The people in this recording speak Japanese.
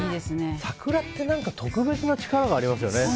桜って何か特別な力がありますよね。